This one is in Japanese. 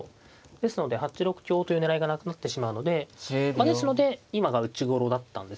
ですので８六香という狙いがなくなってしまうのでですので今が打ちごろだったんですね